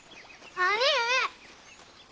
兄上！